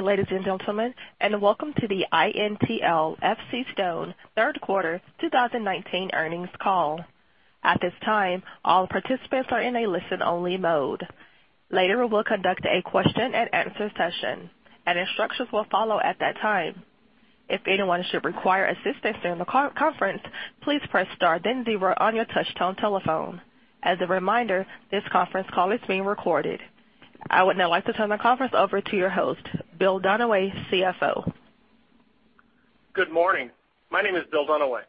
Good ladies and gentlemen, welcome to the INTL FCStone third quarter 2019 earnings call. At this time, all participants are in a listen-only mode. Later, we'll conduct a question and answer session, and instructions will follow at that time. If anyone should require assistance during the conference, please press star then zero on your touch-tone telephone. As a reminder, this conference call is being recorded. I would now like to turn the conference over to your host, Bill Dunaway, CFO. Good morning. My name is Bill Dunaway.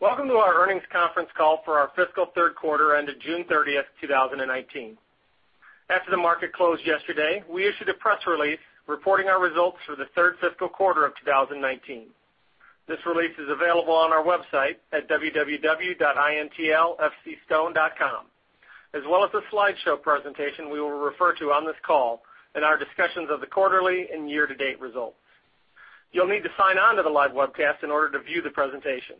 Welcome to our earnings conference call for our fiscal third quarter ended June 30th, 2019. After the market closed yesterday, we issued a press release reporting our results for the third fiscal quarter of 2019. This release is available on our website at www.intlfcstone.com, as well as the slideshow presentation we will refer to on this call in our discussions of the quarterly and year-to-date results. You'll need to sign on to the live webcast in order to view the presentation.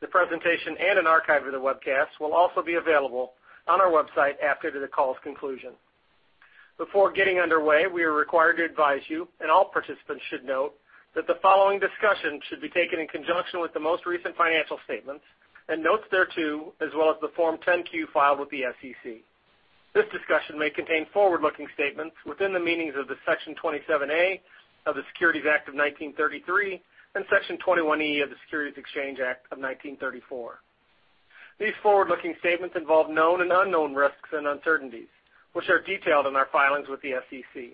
The presentation and an archive of the webcast will also be available on our website after the call's conclusion. Before getting underway, we are required to advise you, and all participants should note, that the following discussion should be taken in conjunction with the most recent financial statements and notes thereto, as well as the Form 10-Q filed with the SEC. This discussion may contain forward-looking statements within the meanings of the Section 27A of the Securities Act of 1933 and Section 21E of the Securities Exchange Act of 1934. These forward-looking statements involve known and unknown risks and uncertainties, which are detailed in our filings with the SEC.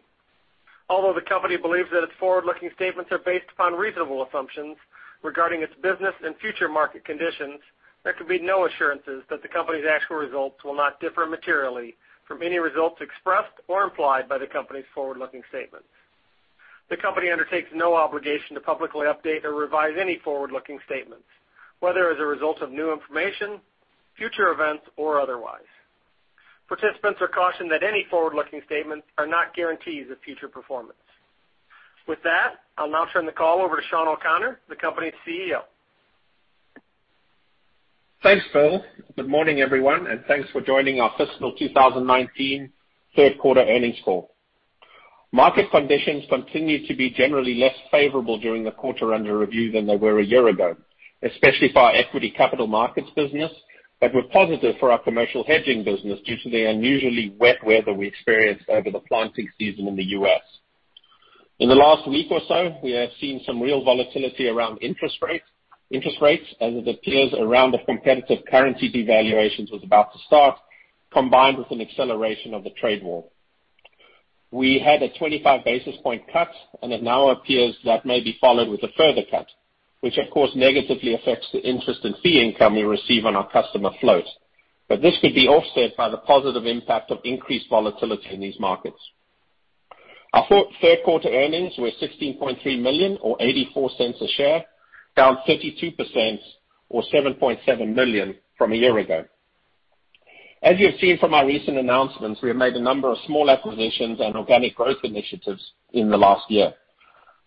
Although the company believes that its forward-looking statements are based upon reasonable assumptions regarding its business and future market conditions, there can be no assurances that the company's actual results will not differ materially from any results expressed or implied by the company's forward-looking statements. The company undertakes no obligation to publicly update or revise any forward-looking statements, whether as a result of new information, future events, or otherwise. Participants are cautioned that any forward-looking statements are not guarantees of future performance. With that, I'll now turn the call over to Sean O'Connor, the company's CEO. Thanks, Bill. Good morning, everyone, and thanks for joining our fiscal 2019 third quarter earnings call. Market conditions continued to be generally less favorable during the quarter under review than they were a year ago, especially for our equity capital markets business, but were positive for our commercial hedging business due to the unusually wet weather we experienced over the planting season in the U.S. In the last week or so, we have seen some real volatility around interest rates as it appears a round of competitive currency devaluations was about to start, combined with an acceleration of the trade war. We had a 25 basis point cut, and it now appears that may be followed with a further cut, which of course negatively affects the interest in fee income we receive on our customer float. This could be offset by the positive impact of increased volatility in these markets. Our third quarter earnings were $16.3 million or $0.84 a share, down 32% or $7.7 million from a year ago. As you have seen from our recent announcements, we have made a number of small acquisitions and organic growth initiatives in the last year.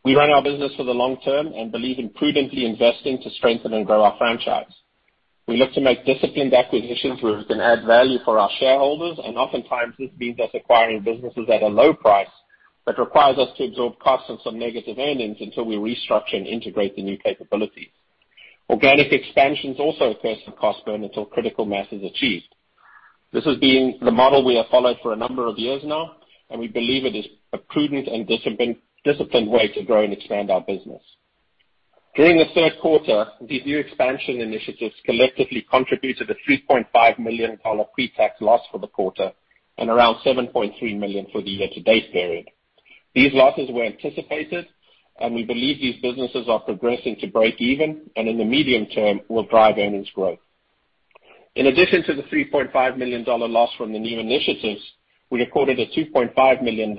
We run our business for the long term and believe in prudently investing to strengthen and grow our franchise. We look to make disciplined acquisitions where we can add value for our shareholders, and oftentimes this means us acquiring businesses at a low price that requires us to absorb costs and some negative earnings until we restructure and integrate the new capabilities. Organic expansions also occur some cost burn until critical mass is achieved. This has been the model we have followed for a number of years now, and we believe it is a prudent and disciplined way to grow and expand our business. During the third quarter, these new expansion initiatives collectively contributed a $3.5 million pre-tax loss for the quarter and around $7.3 million for the year-to-date period. These losses were anticipated, and we believe these businesses are progressing to break even, and in the medium term, will drive earnings growth. In addition to the $3.5 million loss from the new initiatives, we recorded a $2.5 million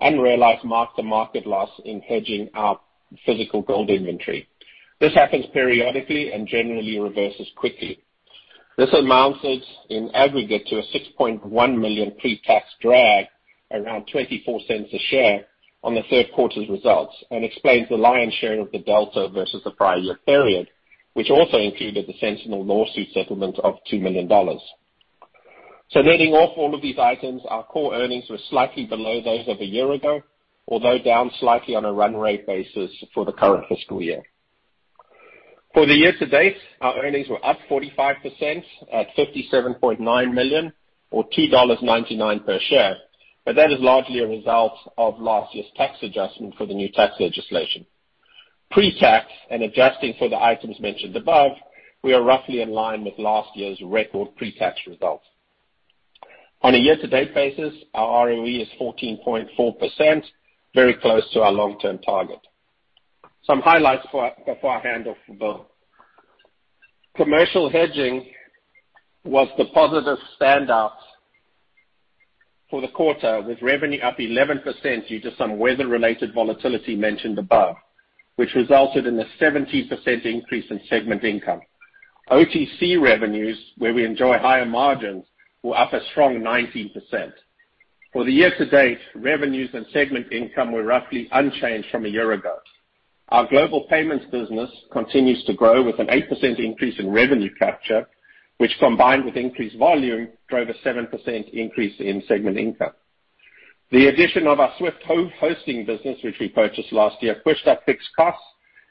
unrealized mark-to-market loss in hedging our physical gold inventory. This happens periodically and generally reverses quickly. This amounted in aggregate to a $6.1 million pre-tax drag around $0.24 a share on the third quarter's results and explains the lion's share of the delta versus the prior year period, which also included the Sentinel lawsuit settlement of $2 million. Netting off all of these items, our core earnings were slightly below those of a year ago, although down slightly on a run rate basis for the current fiscal year. For the year to date, our earnings were up 45% at $57.9 million or $2.99 per share, that is largely a result of last year's tax adjustment for the new tax legislation. Pre-tax and adjusting for the items mentioned above, we are roughly in line with last year's record pre-tax results. On a year-to-date basis, our ROE is 14.4%, very close to our long-term target. Some highlights before I hand off to Bill. Commercial hedging was the positive standout for the quarter, with revenue up 11% due to some weather-related volatility mentioned above, which resulted in a 70% increase in segment income. OTC revenues, where we enjoy higher margins, were up a strong 19%. For the year to date, revenues and segment income were roughly unchanged from a year ago. Our global payments business continues to grow with an 8% increase in revenue capture, which combined with increased volume, drove a 7% increase in segment income. The addition of our SWIFT hosting business, which we purchased last year, pushed up fixed costs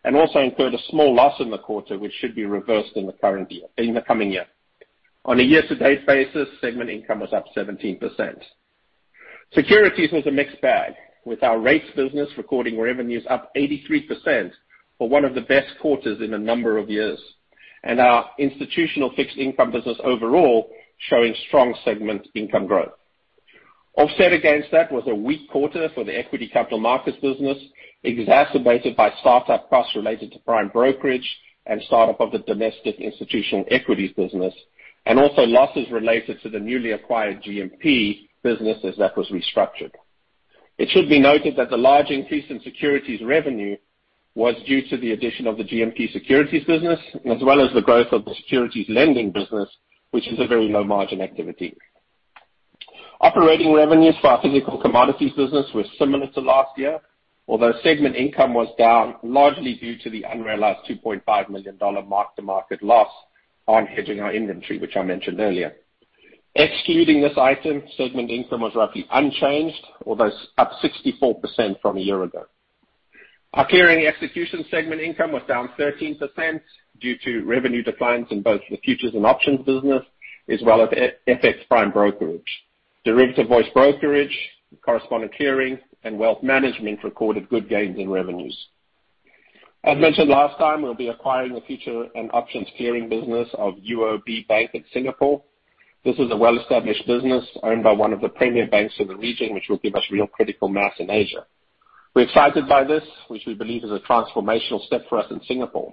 and also incurred a small loss in the quarter, which should be reversed in the coming year. On a year-to-date basis, segment income was up 17%. Securities was a mixed bag, with our rates business recording revenues up 83% for one of the best quarters in a number of years, and our institutional fixed income business overall showing strong segment income growth. Offset against that was a weak quarter for the equity capital markets business, exacerbated by start-up costs related to prime brokerage and start-up of the domestic institutional equities business, and also losses related to the newly acquired GMP businesses that was restructured. It should be noted that the large increase in securities revenue was due to the addition of the GMP securities business, as well as the growth of the securities lending business, which is a very low-margin activity. Operating revenues for our physical commodities business were similar to last year, although segment income was down largely due to the unrealized $2.5 million mark-to-market loss on hedging our inventory, which I mentioned earlier. Excluding this item, segment income was roughly unchanged, although up 64% from a year ago. Our clearing execution segment income was down 13% due to revenue declines in both the futures and options business, as well as FX prime brokerage. Derivative voice brokerage, correspondent clearing, and wealth management recorded good gains in revenues. As mentioned last time, we'll be acquiring the future and options clearing business of UOB Bank in Singapore. This is a well-established business owned by one of the premier banks in the region, which will give us real critical mass in Asia. We're excited by this, which we believe is a transformational step for us in Singapore.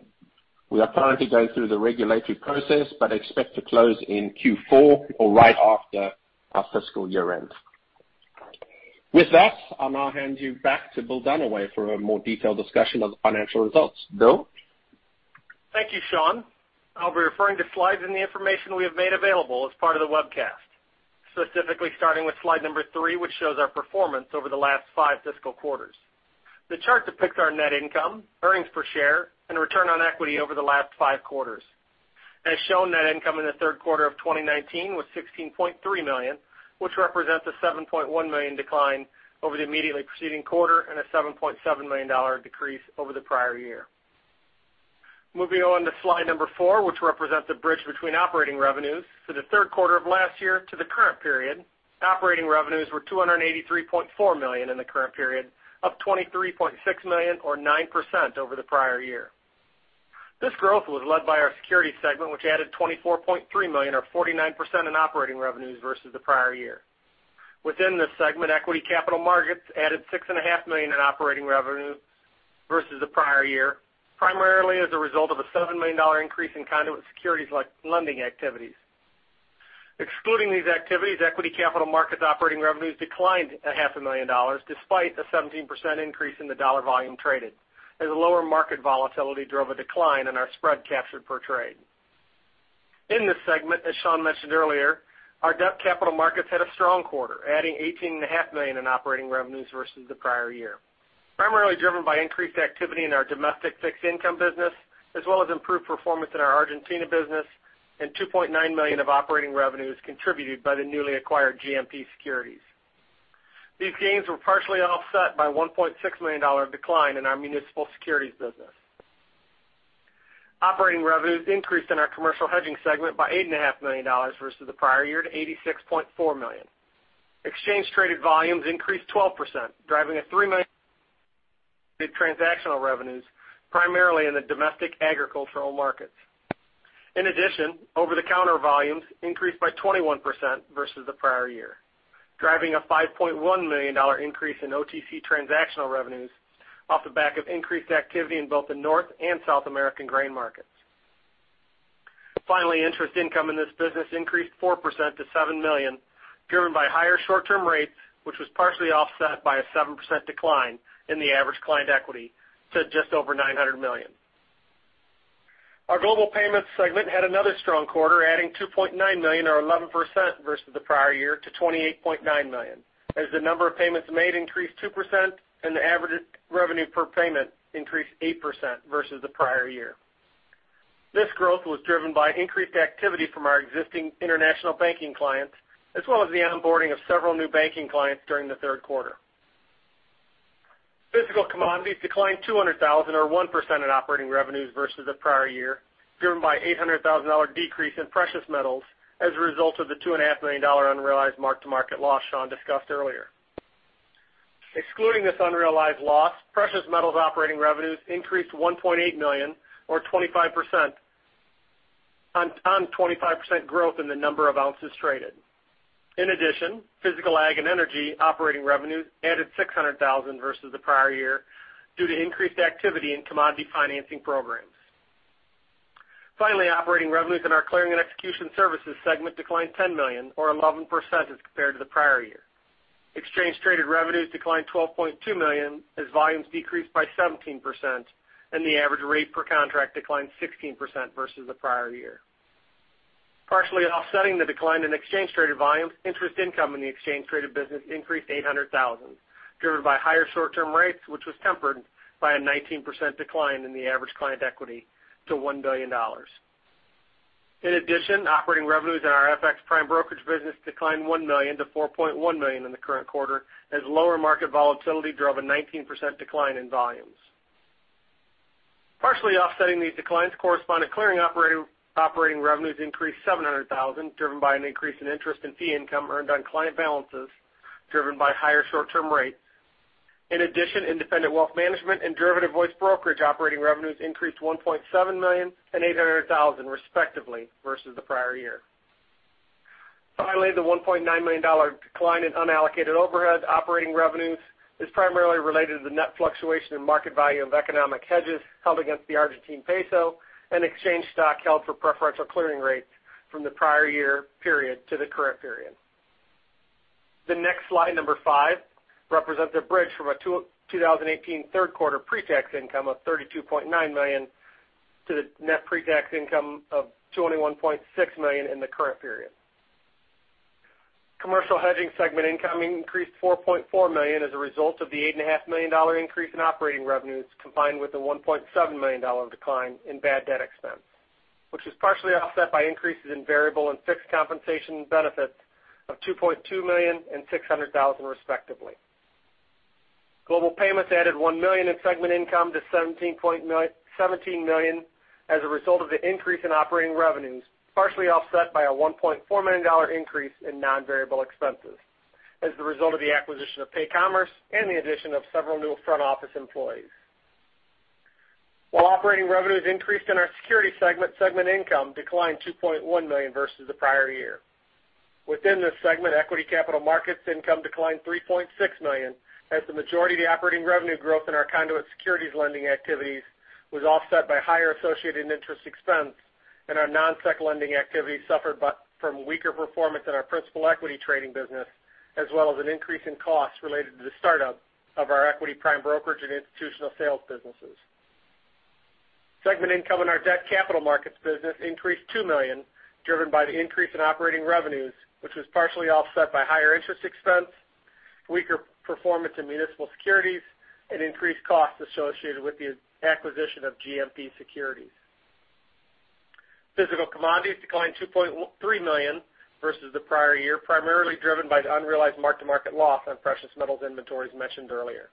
We are currently going through the regulatory process, but expect to close in Q4 or right after our fiscal year end. With that, I'll now hand you back to Bill Dunaway for a more detailed discussion of the financial results. Bill? Thank you, Sean. I'll be referring to slides and the information we have made available as part of the webcast, specifically starting with slide number three, which shows our performance over the last five fiscal quarters. The chart depicts our net income, earnings per share, and return on equity over the last five quarters. As shown, net income in the third quarter of 2019 was $16.3 million, which represents a $7.1 million decline over the immediately preceding quarter and a $7.7 million decrease over the prior year. Moving on to slide number four, which represents a bridge between operating revenues for the third quarter of last year to the current period. Operating revenues were $283.4 million in the current period, up $23.6 million or 9% over the prior year. This growth was led by our Securities segment, which added $24.3 million or 49% in operating revenues versus the prior year. Within this segment, Equity Capital Markets added $6.5 million in operating revenue versus the prior year, primarily as a result of a $7 million increase in conduit securities lending activities. Excluding these activities, Equity Capital Markets operating revenues declined a half a million dollars despite a 17% increase in the dollar volume traded, as lower market volatility drove a decline in our spread captured per trade. In this segment, as Sean mentioned earlier, our Debt Capital Markets had a strong quarter, adding $18.5 million in operating revenues versus the prior year, primarily driven by increased activity in our domestic Fixed Income business, as well as improved performance in our Argentina business, and $2.9 million of operating revenues contributed by the newly acquired GMP Securities. These gains were partially offset by a $1.6 million decline in our Municipal Securities business. Operating revenues increased in our Commercial Hedging segment by $8.5 million versus the prior year to $86.4 million. Exchange traded volumes increased 12%, driving $3 million transactional revenues, primarily in the domestic agricultural markets. In addition, over-the-counter volumes increased by 21% versus the prior year, driving a $5.1 million increase in OTC transactional revenues off the back of increased activity in both the North and South American grain markets. Finally, interest income in this business increased 4% to $7 million, driven by higher short-term rates, which was partially offset by a 7% decline in the average client equity to just over $900 million. Our Global Payments segment had another strong quarter, adding $2.9 million or 11% versus the prior year to $28.9 million, as the number of payments made increased 2% and the average revenue per payment increased 8% versus the prior year. This growth was driven by increased activity from our existing international banking clients, as well as the onboarding of several new banking clients during the third quarter. Physical commodities declined $200,000 or 1% in operating revenues versus the prior year, driven by $800,000 decrease in precious metals as a result of the $2.5 million unrealized mark-to-market loss Sean discussed earlier. Excluding this unrealized loss, precious metals operating revenues increased $1.8 million or 25% on 25% growth in the number of ounces traded. In addition, physical ag and energy operating revenues added $600,000 versus the prior year due to increased activity in commodity financing programs. Finally, operating revenues in our Clearing and Execution Services segment declined $10 million or 11% as compared to the prior year. Exchange traded revenues declined $12.2 million as volumes decreased by 17% and the average rate per contract declined 16% versus the prior year. Partially offsetting the decline in exchange traded volumes, interest income in the exchange traded business increased $800,000, driven by higher short-term rates, which was tempered by a 19% decline in the average client equity to $1 billion. Operating revenues in our FX prime brokerage business declined $1 million to $4.1 million in the current quarter, as lower market volatility drove a 19% decline in volumes. Partially offsetting these declines, correspondent clearing operating revenues increased $700,000, driven by an increase in interest in fee income earned on client balances, driven by higher short-term rates. Independent wealth management and derivative voice brokerage operating revenues increased $1.7 million and $800,000 respectively, versus the prior year. Finally, the $1.9 million decline in unallocated overhead operating revenues is primarily related to the net fluctuation in market value of economic hedges held against the Argentine peso and exchange stock held for preferential clearing rates from the prior year period to the current period. The next slide, number five, represents a bridge from our 2018 third quarter pre-tax income of $32.9 million to the net pre-tax income of $21.6 million in the current period. Commercial Hedging segment income increased $4.4 million as a result of the $8.5 million increase in operating revenues, combined with a $1.7 million decline in bad debt expense, which was partially offset by increases in variable and fixed compensation benefits of $2.2 million and $600,000 respectively. Global Payments added 1 million in segment income to 17 million as a result of the increase in operating revenues, partially offset by a $1.4 million increase in non-variable expenses as the result of the acquisition of PayCommerce and the addition of several new front office employees. While operating revenues increased in our securities segment income declined $2.1 million versus the prior year. Within this segment, equity capital markets income declined $3.6 million, as the majority of the operating revenue growth in our conduit securities lending activities was offset by higher associated interest expense, and our non-sec lending activities suffered from weaker performance in our principal equity trading business, as well as an increase in costs related to the startup of our equity prime brokerage and institutional sales businesses. Segment income in our debt capital markets business increased $2 million, driven by the increase in operating revenues, which was partially offset by higher interest expense, weaker performance in municipal securities, and increased costs associated with the acquisition of GMP Securities. Physical commodities declined $2.3 million versus the prior year, primarily driven by the unrealized mark-to-market loss on precious metals inventories mentioned earlier.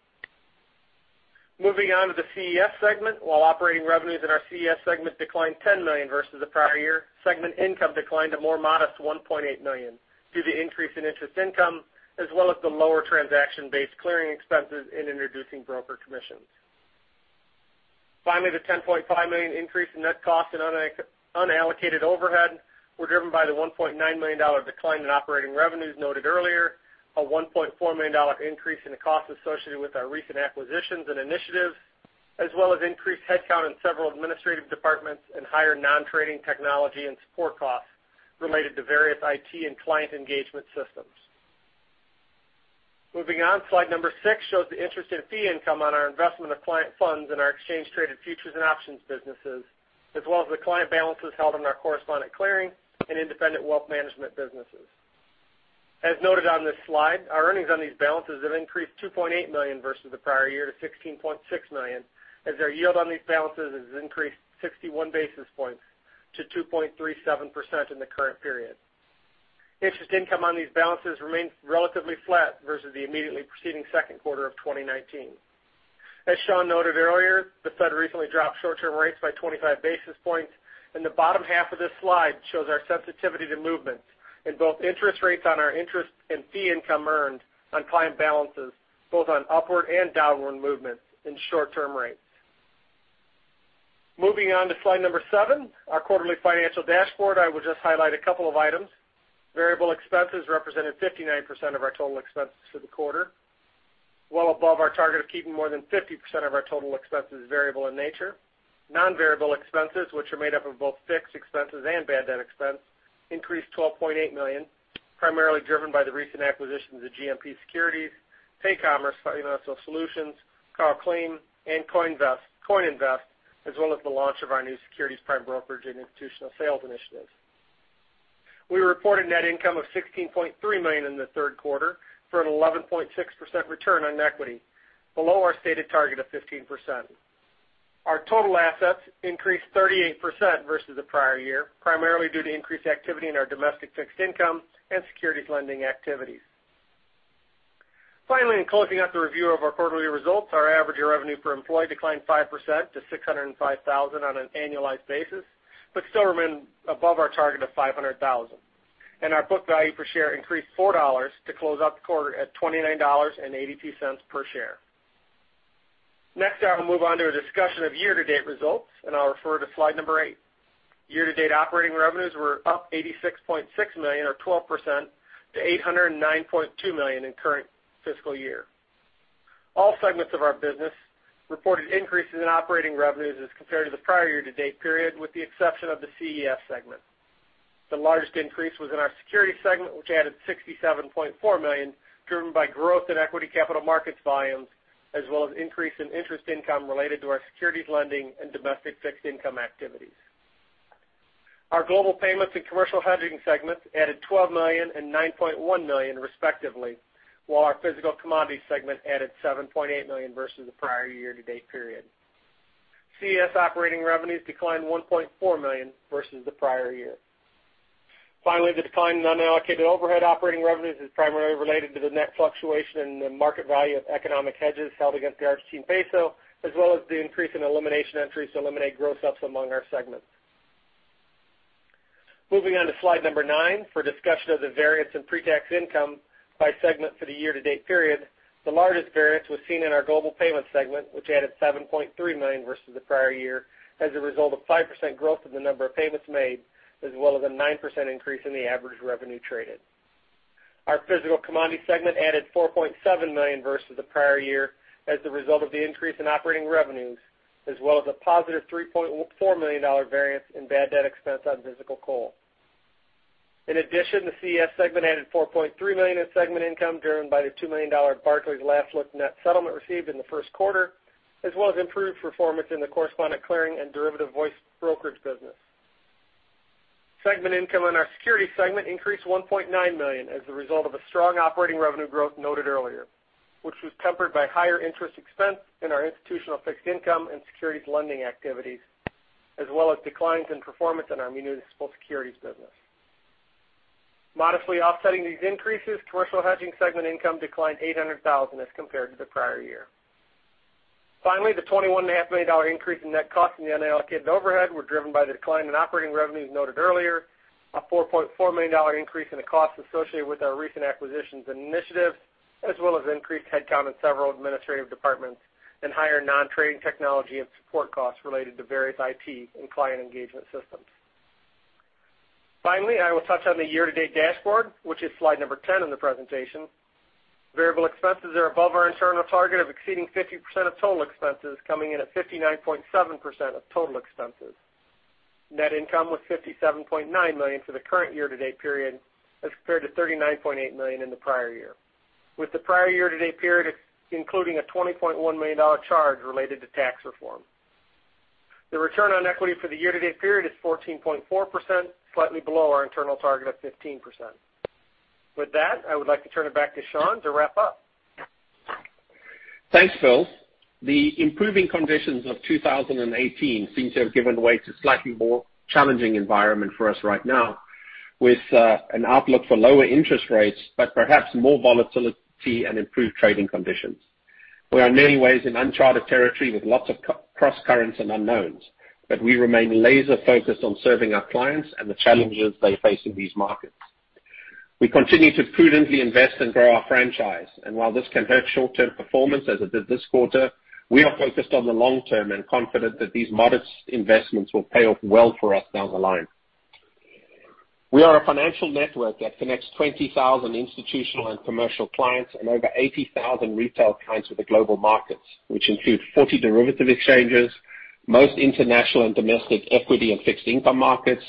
Moving on to the CES segment. While operating revenues in our CES segment declined $10 million versus the prior year, segment income declined a more modest $1.8 million due to the increase in interest income, as well as the lower transaction-based clearing expenses in introducing broker commissions. Finally, the $10.5 million increase in net costs and unallocated overhead were driven by the $1.9 million decline in operating revenues noted earlier, a $1.4 million increase in the cost associated with our recent acquisitions and initiatives, as well as increased headcount in several administrative departments and higher non-trading technology and support costs related to various IT and client engagement systems. Moving on. Slide number 6 shows the interest in fee income on our investment of client funds in our exchange traded futures and options businesses, as well as the client balances held in our correspondent clearing and independent wealth management businesses. As noted on this slide, our earnings on these balances have increased $2.8 million versus the prior year to $16.6 million, as our yield on these balances has increased 61 basis points to 2.37% in the current period. Interest income on these balances remains relatively flat versus the immediately preceding second quarter of 2019. As Sean noted earlier, the Fed recently dropped short-term rates by 25 basis points, and the bottom half of this slide shows our sensitivity to movements in both interest rates on our interest and fee income earned on client balances, both on upward and downward movements in short-term rates. Moving on to slide number seven, our quarterly financial dashboard. I will just highlight a couple of items. Variable expenses represented 59% of our total expenses for the quarter, well above our target of keeping more than 50% of our total expenses variable in nature. Non-variable expenses, which are made up of both fixed expenses and bad debt expense, increased $12.8 million, primarily driven by the recent acquisitions of GMP Securities, PayCommerce, Carl Kliem S.A., and CoinInvest, as well as the launch of our new securities prime brokerage and institutional sales initiatives. We reported net income of $16.3 million in the third quarter for an 11.6% return on equity, below our stated target of 15%. Our total assets increased 38% versus the prior year, primarily due to increased activity in our domestic fixed income and securities lending activities. Finally, in closing out the review of our quarterly results, our average revenue per employee declined 5% to $605,000 on an annualized basis, but still remain above our target of $500,000. Our book value per share increased $4 to close out the quarter at $29.82 per share. Next, I will move on to a discussion of year-to-date results, and I'll refer to slide number eight. Year-to-date operating revenues were up $86.6 million or 12% to $809.2 million in current fiscal year. All segments of our business reported increases in operating revenues as compared to the prior year-to-date period, with the exception of the CES segment. The largest increase was in our securities segment, which added $67.4 million, driven by growth in equity capital markets volumes as well as increase in interest income related to our securities lending and domestic fixed income activities. Our global payments and commercial hedging segments added $12 million and $9.1 million respectively, while our physical commodities segment added $7.8 million versus the prior year-to-date period. CES operating revenues declined $1.4 million versus the prior year. Finally, the decline in unallocated overhead operating revenues is primarily related to the net fluctuation in the market value of economic hedges held against the Argentine peso, as well as the increase in elimination entries to eliminate gross-ups among our segments. Moving on to slide number nine, for discussion of the variance in pre-tax income by segment for the year-to-date period. The largest variance was seen in our global payments segment, which added $7.3 million versus the prior year as a result of 5% growth in the number of payments made, as well as a 9% increase in the average revenue traded. Our physical commodities segment added $4.7 million versus the prior year as the result of the increase in operating revenues, as well as a positive $3.4 million variance in bad debt expense on physical coal. In addition, the CES segment added $4.3 million in segment income, driven by the $2 million Barclays last look net settlement received in the first quarter, as well as improved performance in the correspondent clearing and derivative voice brokerage business. Segment income on our Securities segment increased $1.9 million as a result of a strong operating revenue growth noted earlier, which was tempered by higher interest expense in our institutional fixed income and securities lending activities, as well as declines in performance in our municipal securities business. Modestly offsetting these increases, Commercial Hedging segment income declined $800,000 as compared to the prior year. Finally, the $21.5 million increase in net cost in the unallocated overhead were driven by the decline in operating revenues noted earlier, a $4.4 million increase in the cost associated with our recent acquisitions initiative, as well as increased headcount in several administrative departments and higher non-trading technology and support costs related to various IT and client engagement systems. Finally, I will touch on the year-to-date dashboard, which is slide number 10 in the presentation. Variable expenses are above our internal target of exceeding 50% of total expenses, coming in at 59.7% of total expenses. Net income was $57.9 million for the current year-to-date period as compared to $39.8 million in the prior year, with the prior year-to-date period including a $20.1 million charge related to tax reform. The return on equity for the year-to-date period is 14.4%, slightly below our internal target of 15%. With that, I would like to turn it back to Sean to wrap up. Thanks, Bill. The improving conditions of 2018 seem to have given way to a slightly more challenging environment for us right now, with an outlook for lower interest rates, but perhaps more volatility and improved trading conditions. We are in many ways in uncharted territory with lots of cross-currents and unknowns, but we remain laser-focused on serving our clients and the challenges they face in these markets. We continue to prudently invest and grow our franchise, and while this can hurt short-term performance as it did this quarter, we are focused on the long term and confident that these modest investments will pay off well for us down the line. We are a financial network that connects 20,000 institutional and commercial clients and over 80,000 retail clients with the global markets, which include 40 derivative exchanges, most international and domestic equity and fixed income markets,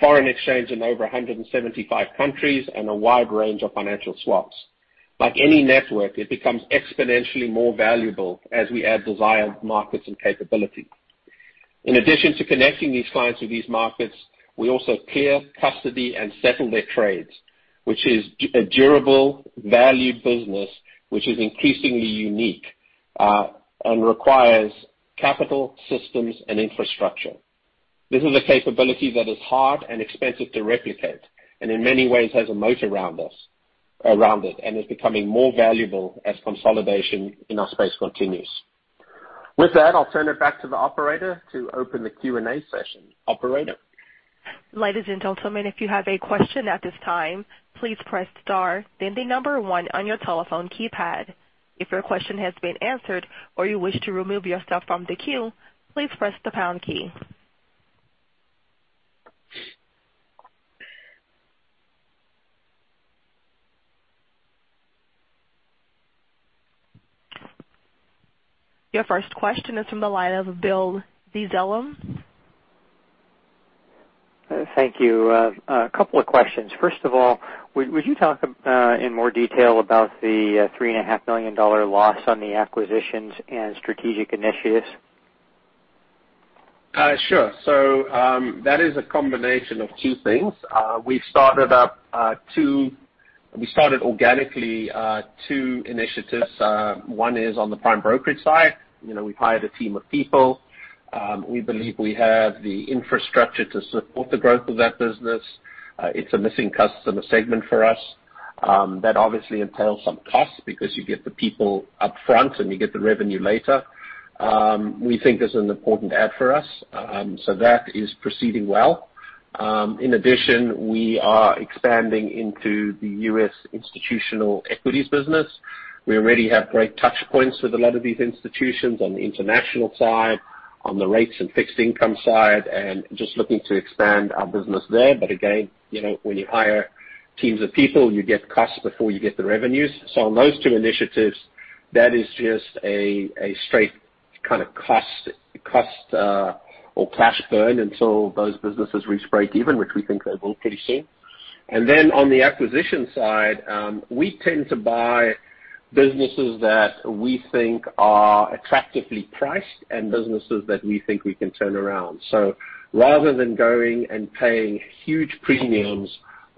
foreign exchange in over 175 countries, and a wide range of financial swaps. Like any network, it becomes exponentially more valuable as we add desired markets and capability. In addition to connecting these clients with these markets, we also clear custody and settle their trades, which is a durable value business, which is increasingly unique and requires capital, systems and infrastructure. This is a capability that is hard and expensive to replicate, and in many ways has a moat around it, and is becoming more valuable as consolidation in our space continues. With that, I'll turn it back to the operator to open the Q&A session. Operator? Ladies and gentlemen, if you have a question at this time, please press star then the number one on your telephone keypad. If your question has been answered or you wish to remove yourself from the queue, please press the pound key. Your first question is from the line of William Dezellem. Thank you. A couple of questions. First of all, would you talk in more detail about the $3.5 million loss on the acquisitions and strategic initiatives? Sure, that is a combination of two things. We started organically, two initiatives. One is on the prime brokerage side. You know, we've hired a team of people. We believe we have the infrastructure to support the growth of that business. It's a missing customer segment for us. That obviously entails some costs because you get the people up front and you get the revenue later. We think it's an important add for us. That is proceeding well. In addition, we are expanding into the U.S. institutional equities business. We already have great touch points with a lot of these institutions on the international side, on the rates and fixed income side, and just looking to expand our business there. Again, you know, when you hire teams of people, you get costs before you get the revenues. On those two initiatives, that is just a straight kind of cost or cash burn until those businesses reach break even, which we think they will pretty soon. On the acquisition side, we tend to buy businesses that we think are attractively priced and businesses that we think we can turn around. Rather than going and paying huge premiums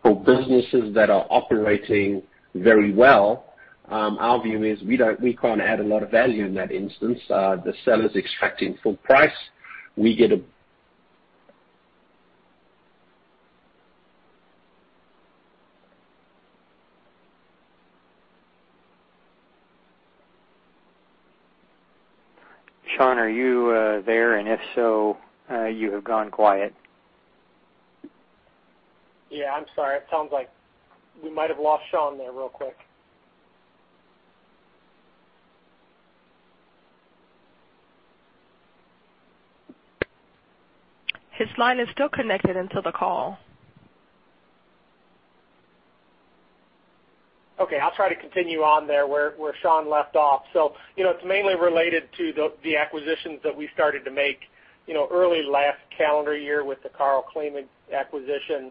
for businesses that are operating very well, our view is we can't add a lot of value in that instance. The seller's extracting full price. Sean, are you there? If so, you have gone quiet. Yeah, I'm sorry. It sounds like we might have lost Sean there real quick. His line is still connected into the call. I'll try to continue on there where Sean left off. It's mainly related to the acquisitions that we started to make early last calendar year with the Carl Kliem acquisition,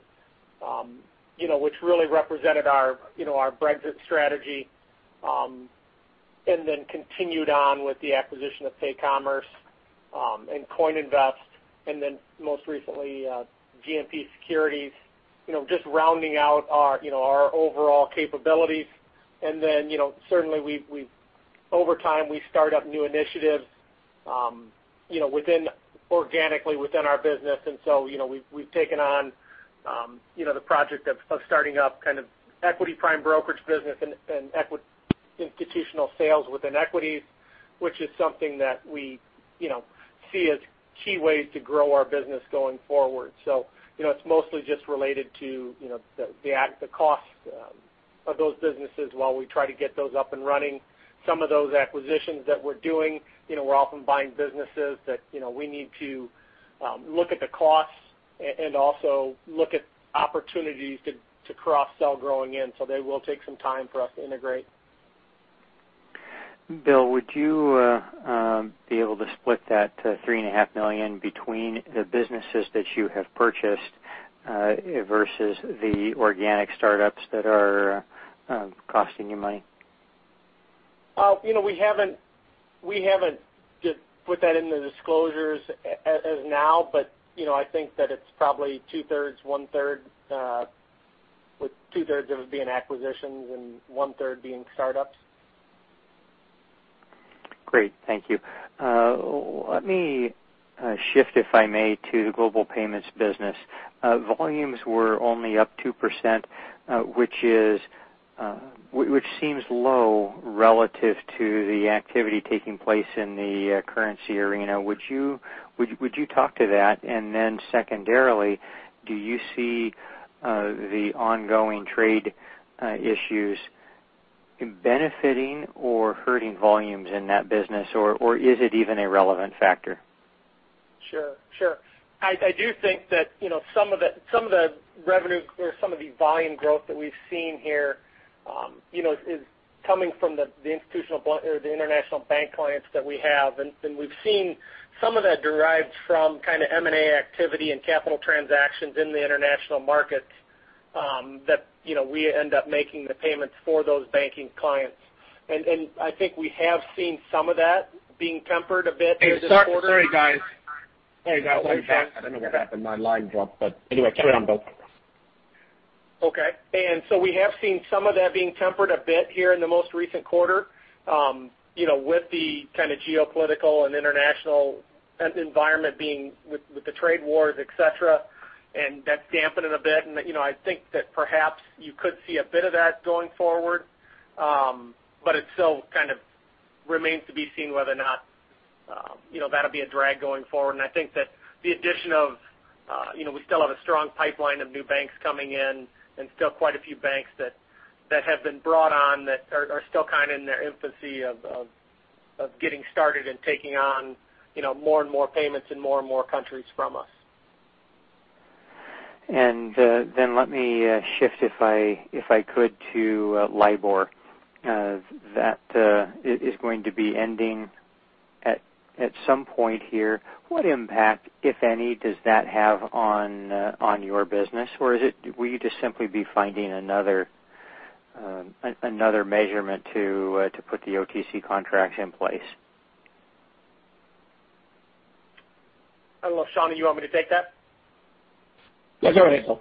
which really represented our Brexit strategy, and then continued on with the acquisition of PayCommerce, and CoinInvest, and then most recently, GMP Securities, just rounding out our overall capabilities. Certainly, over time, we start up new initiatives organically within our business. We've taken on the project of starting up equity prime brokerage business and institutional sales within equities, which is something that we see as key ways to grow our business going forward. It's mostly just related to the cost of those businesses while we try to get those up and running. Some of those acquisitions that we're doing, we're often buying businesses that we need to look at the costs and also look at opportunities to cross-sell growing in. They will take some time for us to integrate. Bill, would you be able to split that three and a half million dollars between the businesses that you have purchased versus the organic startups that are costing you money? We haven't just put that in the disclosures as of now, but I think that it's probably two-thirds, one-third, with two-thirds of it being acquisitions and one-third being startups. Great. Thank you. Let me shift, if I may, to the global payments business. Volumes were only up 2%, which seems low relative to the activity taking place in the currency arena. Would you talk to that? Secondarily, do you see the ongoing trade issues benefiting or hurting volumes in that business, or is it even a relevant factor? Sure. I do think that some of the revenue or some of the volume growth that we've seen here is coming from the international bank clients that we have. We've seen some of that derived from M&A activity and capital transactions in the international markets that we end up making the payments for those banking clients. I think we have seen some of that being tempered a bit here this quarter. Sorry, guys. Sorry about that. I don't know what happened. My line dropped, but anyway, carry on, Bill. Okay. We have seen some of that being tempered a bit here in the most recent quarter with the geopolitical and international environment being with the trade wars, et cetera, and that's dampened it a bit. I think that perhaps you could see a bit of that going forward. It still remains to be seen whether or not that'll be a drag going forward. I think that we still have a strong pipeline of new banks coming in and still quite a few banks that have been brought on that are still in their infancy of getting started and taking on more and more payments in more and more countries from us. Then let me shift, if I could, to LIBOR. That is going to be ending at some point here. What impact, if any, does that have on your business, or will you just simply be finding another measurement to put the OTC contracts in place? I don't know, Sean, you want me to take that? No, go ahead, Bill.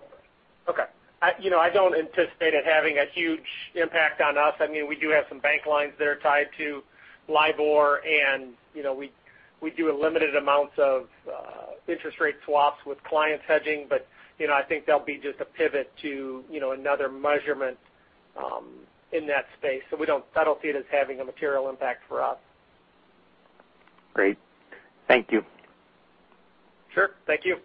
Okay. I don't anticipate it having a huge impact on us. We do have some bank lines that are tied to LIBOR, and we do a limited amount of interest rate swaps with clients hedging, but I think that'll be just a pivot to another measurement in that space. I don't see it as having a material impact for us. Great. Thank you. Sure. Thank you.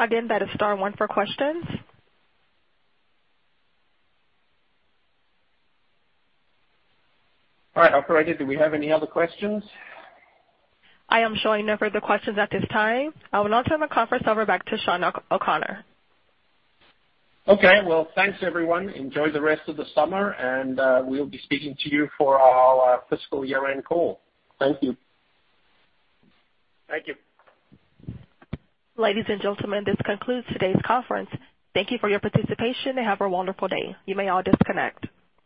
Again, that is star one for questions. All right. Operator, do we have any other questions? I am showing no further questions at this time. I will now turn the conference over back to Sean O'Connor. Okay. Well, thanks everyone. Enjoy the rest of the summer, and we'll be speaking to you for our fiscal year-end call. Thank you. Thank you. Ladies and gentlemen, this concludes today's conference. Thank you for your participation and have a wonderful day. You may all disconnect.